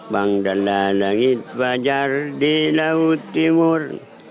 pangdala langit bajar di laut timur